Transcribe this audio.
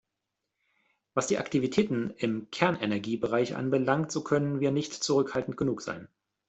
Was die Aktivitäten im Kernenergiebereich anbelangt, so können wir nicht zurückhaltend genug sein.